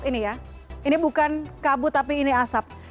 ini ya ini bukan kabut tapi ini asap